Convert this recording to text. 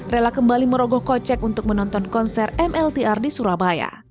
rela kembali merogoh kocek untuk menonton konser mltr di surabaya